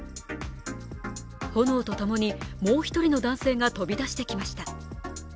炎とともにもう１人の男性が飛び出してきました。